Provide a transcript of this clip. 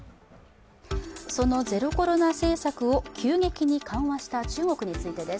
そのゼロコロナ政策を急激に緩和した中国についてです。